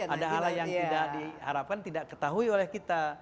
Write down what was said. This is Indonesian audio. ada hal yang tidak diharapkan tidak ketahui oleh kita